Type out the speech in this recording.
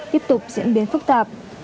tiếp tục diễn biến phức tạp